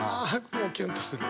もうキュンとする。